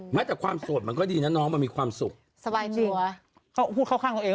ไม่แต่ความโสดมันก็ดีนะน้องมันมีความสุข